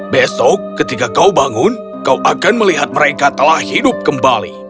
besok ketika kau bangun kau akan melihat mereka telah hidup kembali